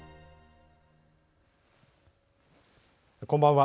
こんばんは。